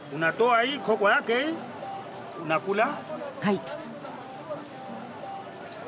はい。